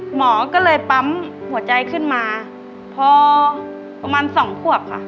หมอก็เลยปั๊มหัวใจขึ้นมาพอประมาณสองขวบค่ะ